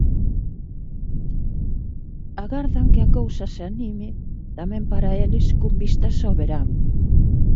Agardan que a cousa se anime, tamén para eles, con vistas ao verán.